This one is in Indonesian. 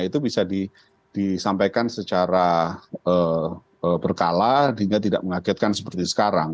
itu bisa disampaikan secara berkala sehingga tidak mengagetkan seperti sekarang